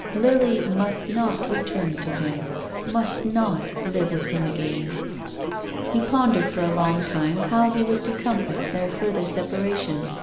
Lily must not return to him, must not live with him again. He pondered for along time how he was to compass their further separation.